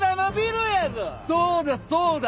そうだそうだ！